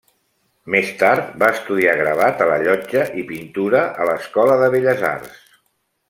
Més tard, va estudiar gravat a la Llotja i pintura a l'Escola de Belles Arts.